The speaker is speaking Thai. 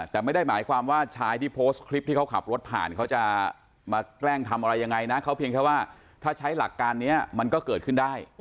แต่ไม่ได้หมายความว่าชายที่โพสต์คลิปที่เขาขับรถผ่านเขาจะมาแกล้งทำอะไรยังไงนะเขาเพียงแค่ว่าถ้าใช้หลักการนี้มันก็เกิดขึ้นได้